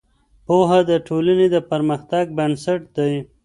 پوهه د ټولنې د پرمختګ بنسټ دی.